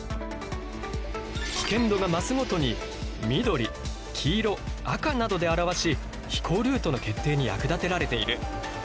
危険度が増すごとに緑黄色赤などで表し飛行ルートの決定に役立てられている。